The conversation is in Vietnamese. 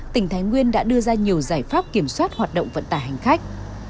tỉnh thái nguyên đã đưa ra nhiều giải pháp kiểm soát hoạt động vận tải hành khách